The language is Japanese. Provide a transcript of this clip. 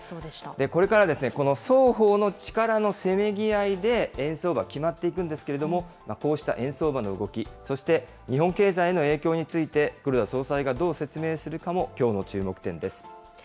これからこの双方の力のせめぎ合いで円相場、決まっていくんですけれども、こうした円相場の動き、そして日本経済への影響について黒田総裁がどう説明するかも、きょうの注目点です。